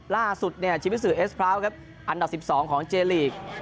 ล่าสุดเนี่ยชีวิตสื่อเอสพร้าวครับอันดับ๑๒ของเจลีก